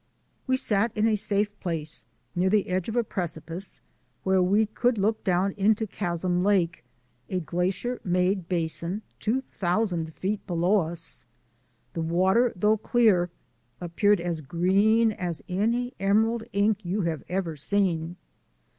We sat in a safe place near the edge of a precipice where we could look down into Chasm Lake — a glacier made basin — 2,000 feet below us. The water, though clear, appeared as green as any emer ald ink you have ever seen.